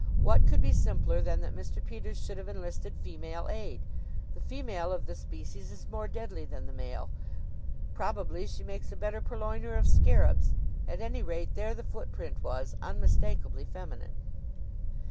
What could be simpler than that Mr. Peters should have enlisted female aid? The female of the species is more deadly than the male. Probably she makes a better purloiner of scarabs. At any rate, there the footprint was, unmistakably feminine.